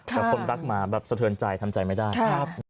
แต่คนรักมาแบบสะเทินใจทำใจไม่ได้นะครับครับ